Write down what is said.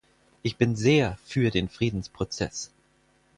Ich bin sehr für den Friedensprozess.